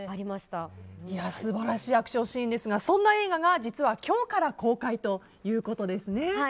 素晴らしいアクションシーンですがそんな映画が実は今日から公開ということですね。